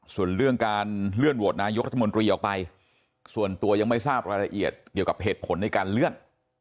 ส่วนเรื่องการเลื่อนโหวตนายกรัฐมนตรีออกไปส่วนตัวยังไม่ทราบรายละเอียดเกี่ยวกับเหตุผลในการเลื่อน